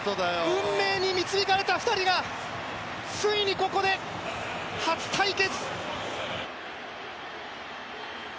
運命に導かれた２人がついにここで初対決！